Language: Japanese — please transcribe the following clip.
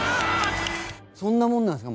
そんなものなんですか？